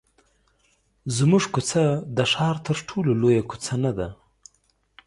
زموږ کوڅه د ښار تر ټولو لویه کوڅه نه ده.